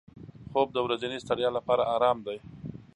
خوب د ورځني ستړیا لپاره آرام دی